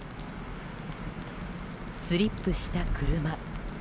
スリップした車。